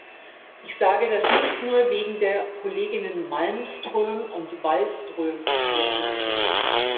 Ich sage das nicht nur wegen der Kolleginnen Malmström und Wallström, die hier sitzen.